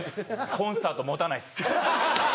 コンサート持たないです。